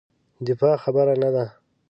دفاع خبره نه ده.